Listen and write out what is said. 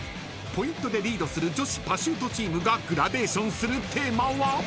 ［ポイントでリードする女子パシュートチームがグラデーションするテーマは］